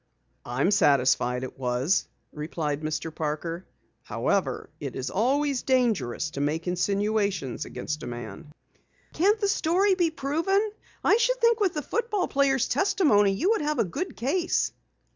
"I'm satisfied it was," replied Mr. Parker. "However, it always is dangerous to make insinuations against a man." "Can't the story be proven? I should think with the football player's testimony you would have a good case."